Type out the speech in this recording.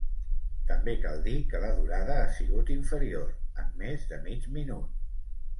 També cal dir que la durada ha sigut inferior, en més de mig minut.